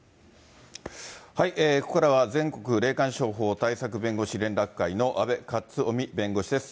ここからは全国霊感商法対策弁護士連絡会の阿部克臣弁護士です。